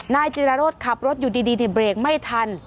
นายจิราโรธขับรถอยู่ดีเบรกไม่ทัน